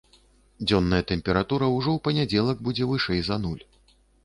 Дзённая тэмпература ўжо ў панядзелак будзе вышэй за нуль.